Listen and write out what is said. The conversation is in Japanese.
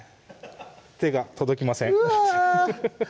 手が届きませんうわぁ！